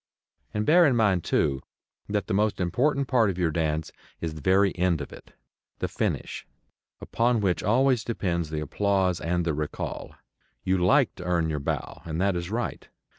And bear in mind, too, that the most important part of your dance is the very end of it, the finish, upon which always depends the applause and the recall. You like to earn your bow, and that is right.